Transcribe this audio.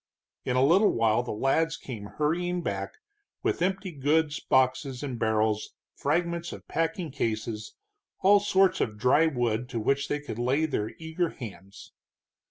In a little while the lads came hurrying back, with empty goods boxes and barrels, fragments of packing cases, all sorts of dry wood to which they could lay their eager hands.